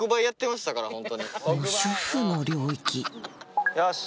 もう主婦の領域よし！